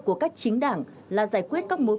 của các chính đảng là giải quyết các mối